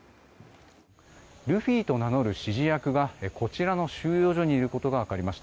ルフィと名乗る指示役はこちらの収容所にいることが分かりました。